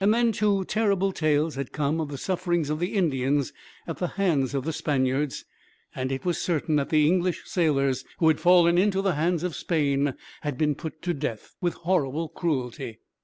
Then, too, terrible tales had come of the sufferings of the Indians at the hands of the Spaniards; and it was certain that the English sailors who had fallen into the hands of Spain had been put to death, with horrible cruelty.